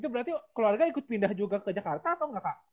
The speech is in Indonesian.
itu berarti keluarga ikut pindah juga ke jakarta atau enggak pak